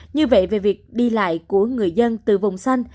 như vậy về việc đi lại của người dân từ vùng xanh